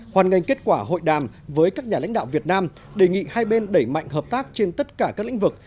hoàn ngành kết quả hội đàm với các nhà lãnh đạo việt nam đề nghị hai bên đẩy mạnh hợp tác trên tất cả các lĩnh vực